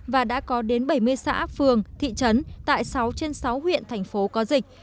và đã có đến bảy mươi xã phường thị trấn tại sáu trên sáu huyện thành phố có dịch